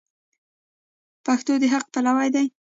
پښتون د حق پلوی دی.